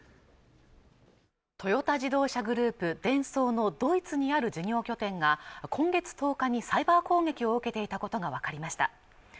トヨタ自動車グループデンソーのドイツにある事業拠点が今月１０日にサイバー攻撃を受けていたことが分かりました